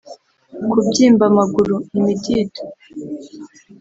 kubyimba amaguru (imidido)